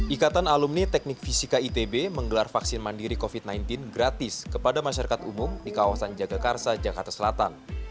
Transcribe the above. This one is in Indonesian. ikatan alumni teknik fisika itb menggelar vaksin mandiri covid sembilan belas gratis kepada masyarakat umum di kawasan jagakarsa jakarta selatan